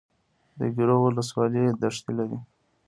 د ګیرو ولسوالۍ دښتې لري